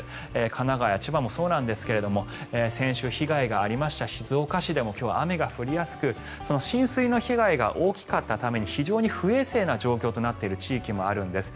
神奈川や千葉もそうなんですが先週、被害があった静岡市でも今日、雨が降りやすく浸水の被害が大きかったために非常に不衛生な状況となっている地域もあるんです。